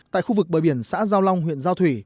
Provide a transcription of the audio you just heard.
tại khu vực bờ biển xã giao long huyện giao thủy